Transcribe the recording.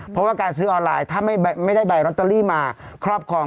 เพราะว่าการซื้อออนไลน์ถ้าไม่ได้ใบลอตเตอรี่มาครอบครอง